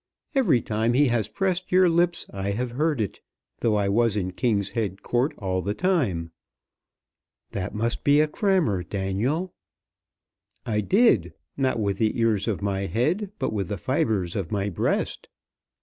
Every time he has pressed your lips I have heard it, though I was in King's Head Court all the time." "That must be a crammer, Daniel." "I did; not with the ears of my head, but with the fibres of my breast."